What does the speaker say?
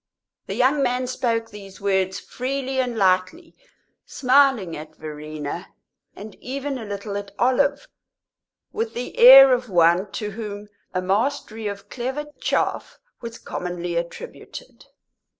The young man spoke these words freely and lightly, smiling at Verena, and even a little at Olive, with the air of one to whom a mastery of clever "chaff" was commonly attributed.